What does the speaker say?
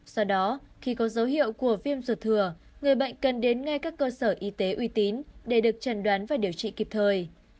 do đó khi có dấu hiệu của viêm ruột thừa người bệnh cần đến ngay các cơ sở y tế uy tín để được trần đoán và điều trị kịp thời